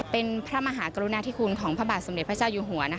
เป็นพระมหากรุณาธิคุณของพระบาทสมเด็จพระเจ้าอยู่หัว